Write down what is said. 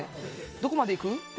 どこまで行く？って。